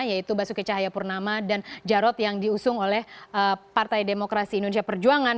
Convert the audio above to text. yaitu basuki cahayapurnama dan jarod yang diusung oleh partai demokrasi indonesia perjuangan